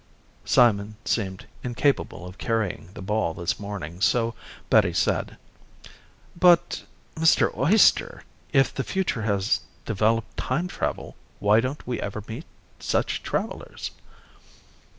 Simon seemed incapable of carrying the ball this morning, so Betty said, "But ... Mr. Oyster, if the future has developed time travel why don't we ever meet such travelers?"